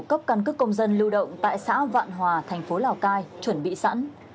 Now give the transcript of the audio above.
cấp căn cước công dân lưu động tại xã vạn hòa thành phố lào cai chuẩn bị sẵn